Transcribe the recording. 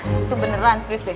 itu beneran serius deh